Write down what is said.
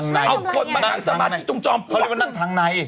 นั่นไง